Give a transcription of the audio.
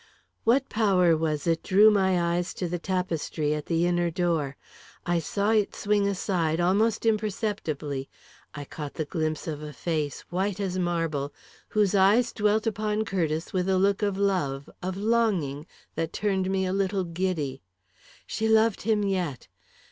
What power was it drew my eyes to the tapestry at the inner door? I saw it swing aside, almost imperceptibly; I caught the glimpse of a face, white as marble, whose eyes dwelt upon Curtiss with a look of love, of longing, that turned me a little giddy. She loved him yet!